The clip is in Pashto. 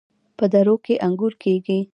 په درو کې انګور کیږي.